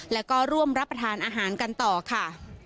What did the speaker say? แล้วก็ร่วมรับประทานอาหารกันต่อค่ะ